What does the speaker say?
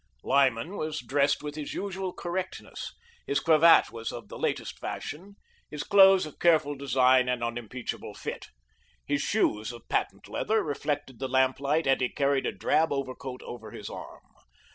Lyman was dressed with his usual correctness. His cravat was of the latest fashion, his clothes of careful design and unimpeachable fit. His shoes, of patent leather, reflected the lamplight, and he carried a drab overcoat over his arm.